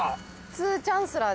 ツーチャンスラー。